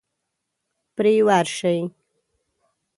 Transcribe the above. پرې ورشئ.